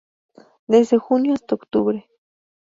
Desde junio hasta octubre.